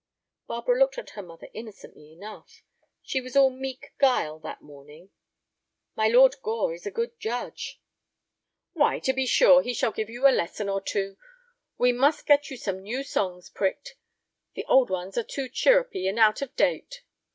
Barbara looked at her mother innocently enough. She was all meek guile that morning. "My Lord Gore is a good judge." "Why, to be sure, he shall give you a lesson or two. We must get you some new songs pricked. The old ones are too chirrupy and out of date."